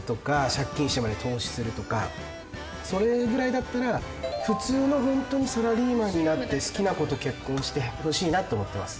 それぐらいだったら普通のホントにサラリーマンになって好きな子と結婚してほしいなと思ってます。